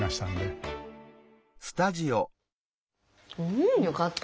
うん！よかった。